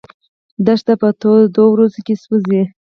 دښته په تودو ورځو کې سوځي.